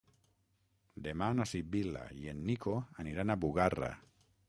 Demà na Sibil·la i en Nico aniran a Bugarra.